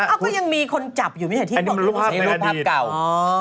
อ้าวก็ยังมีคนจับอยู่ไม่ใช่ที่บอกว่าเหลือภาพเก่า